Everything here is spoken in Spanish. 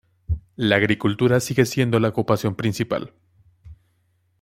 La agricultura sigue siendo la ocupación principal.